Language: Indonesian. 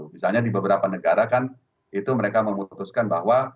misalnya di beberapa negara kan itu mereka memutuskan bahwa